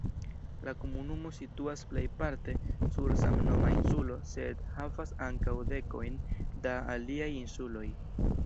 La komunumo situas plejparte sur samnoma insulo, sed havas ankaŭ dekojn da aliaj insuloj.